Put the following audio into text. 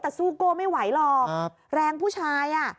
แต่สู้โก้ไม่ไหวหรอกแรงผู้ชายอ่ะ